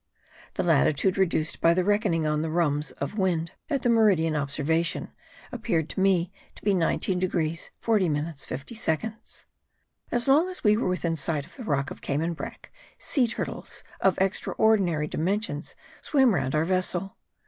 The latitude reduced by the reckoning on the rhumbs of wind at the meridian observation, appeared to me to be 19 degrees 40 minutes 50 seconds. As long as we were within sight of the rock of Cayman brack sea turtles of extraordinary dimensions swam round our vessel.